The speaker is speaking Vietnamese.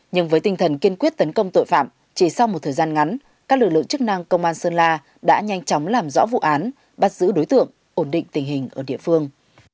nhưng với tinh thần kiên quyết tấn công tội phạm chỉ sau một thời gian ngắn các lực lượng chức năng công an sơn la đã nhanh chóng làm rõ vụ án bắt giữ đối tượng ổn định tình hình ở địa phương